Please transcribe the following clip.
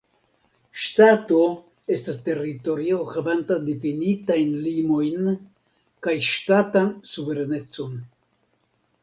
Ŝtato estas teritorio havanta difinitajn limojn kaj ŝtatan suverenecon.